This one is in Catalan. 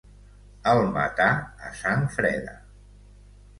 El matà a sang freda.